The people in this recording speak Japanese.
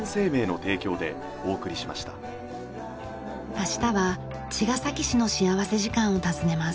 明日は茅ヶ崎市の幸福時間を訪ねます。